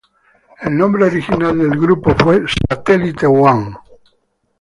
El nombre original del grupo fue "Satellite One".